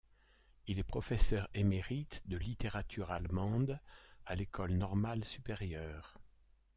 Il est professeur émérite de littérature allemande à l'École normale supérieure.